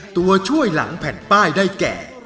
ตัวช่วยหลังแผ่นป้ายได้แก่